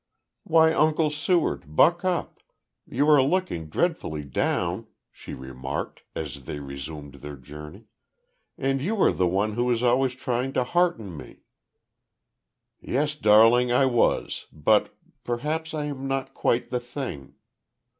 "Why, Uncle Seward, buck up. You are looking dreadfully down," she remarked, as they resumed their journey. "And you were the one who was always trying to hearten me." "Yes darling, I was, but perhaps I am not quite the thing.